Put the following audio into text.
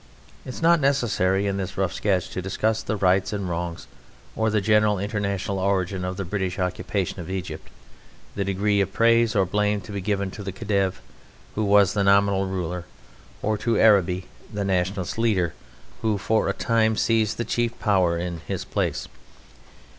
It is not necessary in this rough sketch to discuss the rights and wrongs or the general international origin of the British occupation of Egypt; the degree of praise or blame to be given to the Khedive, who was the nominal ruler, or to Arabi, the Nationalist leader, who for a time seized the chief power in his place.